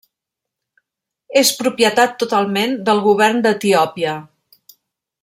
És propietat totalment del govern d'Etiòpia.